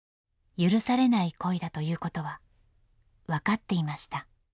許されない恋だということは分かっていました。